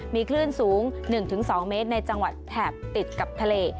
มีคลื่นสูง๑๒เมตรในจังหวัดแถบติดกับทะเล